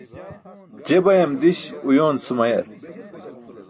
Je bayam di̇ś uyoon sumayar.